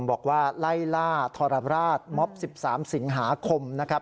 บอกว่าไล่ล่าทรราชม็อบ๑๓สิงหาคมนะครับ